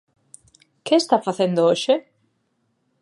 ¿Que está facendo hoxe?